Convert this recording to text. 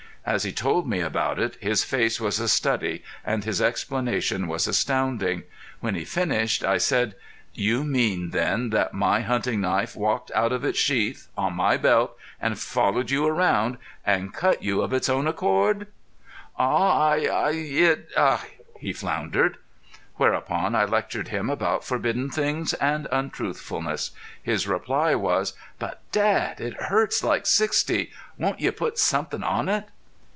As he told me about it his face was a study and his explanation was astounding. When he finished I said: "You mean then that my hunting knife walked out of its sheath on my belt and followed you around and cut you of its own accord?" "Aw, I I it " he floundered. Whereupon I lectured him about forbidden things and untruthfulness. His reply was: "But, Dad, it hurts like sixty. Won't you put somethin' on it?"